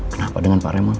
kenapa dengan pak raymond